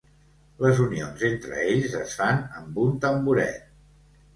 Les unions entre ells, es fan amb un tamboret.